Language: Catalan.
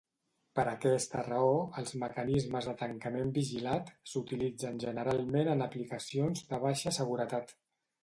Per aquesta raó, els mecanismes de tancament vigilat s'utilitzen generalment en aplicacions de baixa seguretat.